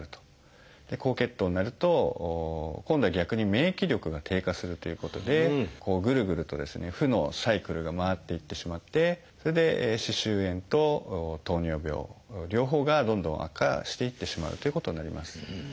高血糖になると今度は逆に免疫力が低下するということでぐるぐるとですね負のサイクルが回っていってしまってそれで歯周炎と糖尿病両方がどんどん悪化していってしまうということになります。